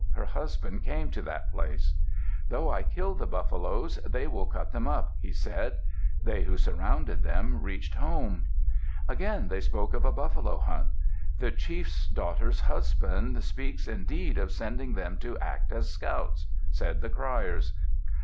Her husband came to that place. "Though I killed the buffaloes, they will cut them up," he said. They who surrounded them reached home. Again they spoke of a buffalo hunt. "The chief's daughter's husband speaks indeed of sending them to act as scouts," said the criers.